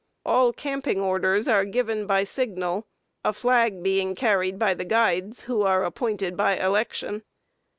All camping orders are given by signal, a flag being carried by the guides, who are appointed by election.